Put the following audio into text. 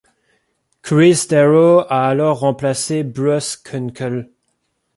Chris Darrow a alors remplacé Bruce Kunkel.